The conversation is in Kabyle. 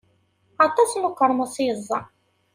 Aṭas n ukermus i yeẓẓa.